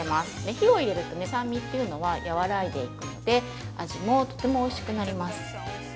火を入れると、酸味っていうのはやわらいでいくので味も、とてもおいしくなります。